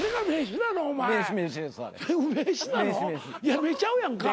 やめちゃうやんか。